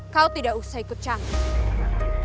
kau tidak usah ikut canggih